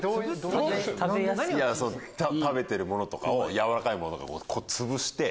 食べてるものとかやわらかいものつぶして。